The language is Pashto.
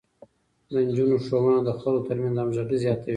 د نجونو ښوونه د خلکو ترمنځ همغږي زياتوي.